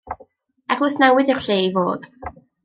Eglwys Newydd yw'r lle i fod.